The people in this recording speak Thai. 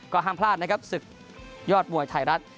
ห้ามพลาดนะครับศึกยอดมวยไทยรัฐ